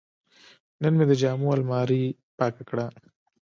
نن مې د جامو الماري پاکه کړه.